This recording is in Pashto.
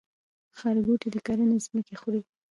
ښارګوټي د کرنې ځمکې خوري؟